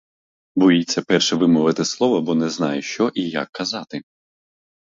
Боїться перший вимовити слово, бо не знає, що і як сказати.